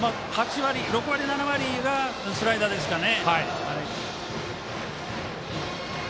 ６割、７割がスライダーですかね。